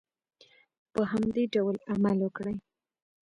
په همدې ډول عمل وکړئ.